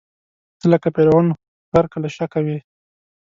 ته لکه فرعون، غرقه له شکه وې